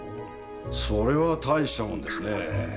それは大したもんですね。